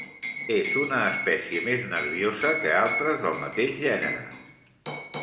És una espècie més nerviosa que altres del mateix gènere.